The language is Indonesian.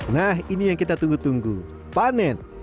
nah ini yang kita tunggu tunggu panen